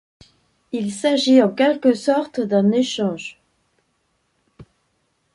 Il s'agit en quelque sorte d'un échange.